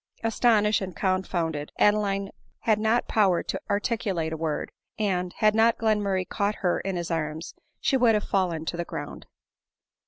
Astonished and confounded, Adeline had not power to articulate a word; and, had not Glenmurray caught her in his arms, she would have fallen to the ground.